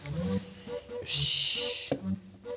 よし。